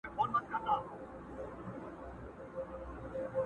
ما د ایپي فقیر اورغوي کي کتلې اشنا!.